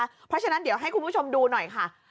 เพราะฉะนั้นเดี๋ยวให้คุณผู้ชมดูหน่อยค่ะ